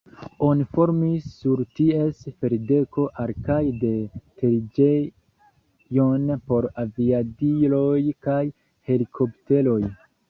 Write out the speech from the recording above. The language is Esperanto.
Oni formis sur ties ferdeko al- kaj de-teriĝejon por aviadiloj kaj helikopteroj.